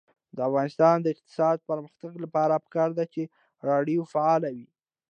د افغانستان د اقتصادي پرمختګ لپاره پکار ده چې راډیو فعاله وي.